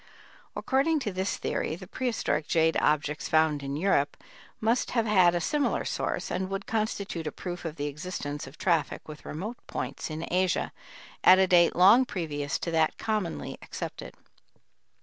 According to this theory the prehistoric jade objects found in Europe must have had a similar source, and would constitute a proof of the existence of traffic with remote points in Asia at a date long previous to that commonly accepted.